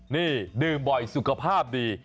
นี่ดื่มบ่อยสุขภาพดี